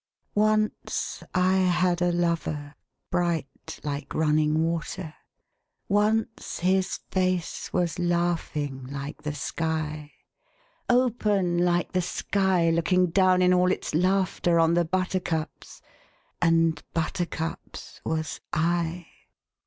Once I had a lover bright like running water, Once his face was laughing like the sky; Open like the sky looking down in all its laughter On the buttercups and buttercups was I.